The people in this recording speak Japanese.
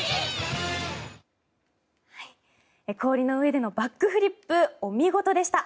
氷の上でのバックフリップお見事でした。